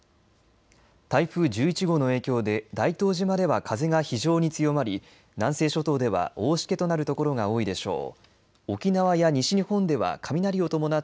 台風１１号の影響で大東島では風が非常に強まり南西諸島では大しけとなるところが多いでしょう。